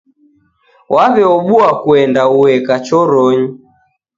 Waw'eobua kuenda ueka choronyi.